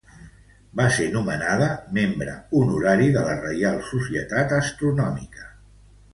Va ser nomenada membre honorari de la Reial Societat Astronòmica.